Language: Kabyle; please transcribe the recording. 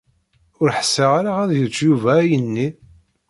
Ur ḥṣiɣ ara ad yečč Yuba ayenni.